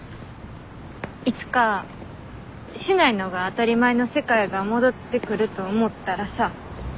いつかしないのが当たり前の世界が戻ってくると思ったらさ。